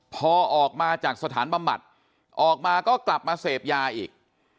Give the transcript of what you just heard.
พอออกมาจากสถานบำบัดออกมาก็กลับมาเสพยาอีก